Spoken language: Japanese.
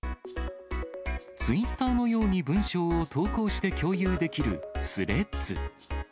ツイッターのように文章を投稿して共有できるスレッズ。